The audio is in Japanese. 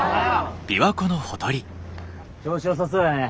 調子よさそうやね。